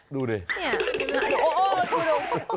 ดูดู